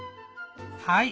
はい。